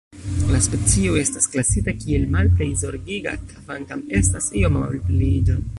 La specio estas klasita kiel Malplej zorgiga, kvankam estas ioma malpliiĝo.